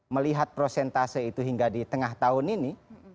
melihat prosentase itu hingga di tengah tahun ini